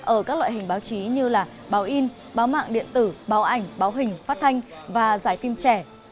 ở các loại hình báo chí như báo in báo mạng điện tử báo ảnh báo hình phát thanh và giải phim trẻ